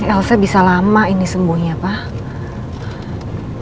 elsa bisa lama ini sembuhnya pak